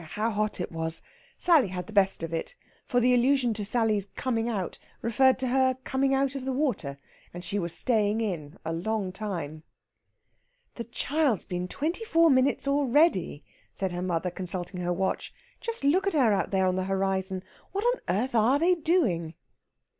how hot it was! Sally had the best of it. For the allusion to Sally's "coming out" referred to her coming out of the water, and she was staying in a long time. "That child's been twenty four minutes already," said her mother, consulting her watch. "Just look at her out there on the horizon. What on earth are they doing?"